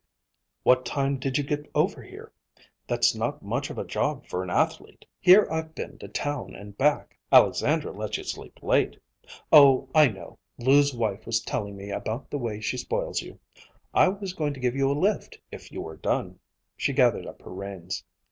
"What time did you get over here? That's not much of a job for an athlete. Here I've been to town and back. Alexandra lets you sleep late. Oh, I know! Lou's wife was telling me about the way she spoils you. I was going to give you a lift, if you were done." She gathered up her reins.